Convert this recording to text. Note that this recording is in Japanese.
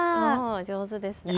上手です。